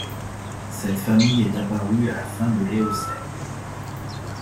Cette famille est apparue à la fin de l'Éocène.